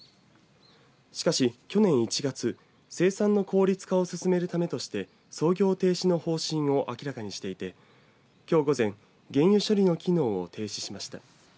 しかし去年１月生産の効率化を進めるためとして操業停止の方針を明らかにしていてきょう午前、原油処理の機能を停止しました。